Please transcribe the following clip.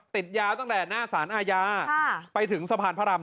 ติดยาวตั้งแต่หน้าสารอาญาไปถึงสะพานพระราม